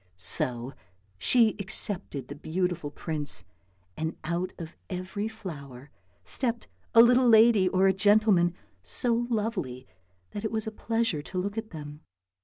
So she accepted the beautiful prince, and out of every flower stepped a little lady or a gentleman so lovely that it was a pleasure to look at them.